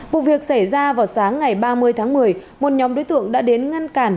vụ việc xảy ra vào sáng ngày ba mươi tháng một mươi một nhóm đối tượng đã đến ngăn cản